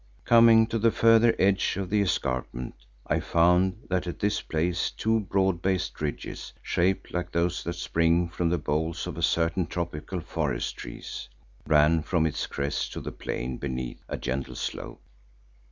Coming to the further edge of the escarpment, I found that at this place two broad based ridges, shaped like those that spring from the boles of certain tropical forest trees, ran from its crest to the plain beneath at a gentle slope.